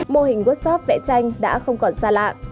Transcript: mô hình workshop vẽ tranh đã không còn xa lạ